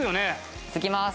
付きます。